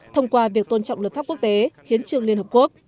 thông qua việc tôn trọng lực pháp quốc tế hiến trường liên hợp quốc